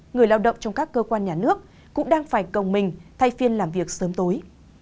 người lao động trong các cơ quan nhà nước cũng đang phải gồng mình thay phiên làm việc sớm tối